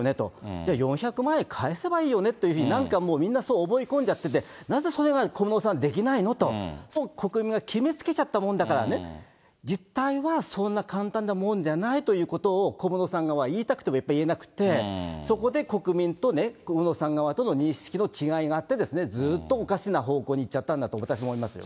じゃあ、４００万円返せばいいよねって、なんかもう、みんなそう思い込んじゃってて、なぜそれが小室さんはできないのと、そう国民が決めつけちゃったもんだからね、実態はそんな簡単なもんじゃないということを、小室さん側は言いたくてもやっぱり言えなくて、そこで国民と、小室さん側との認識の違いがあって、ずっとおかしな方向にいっちゃったんだと私は思いますよね。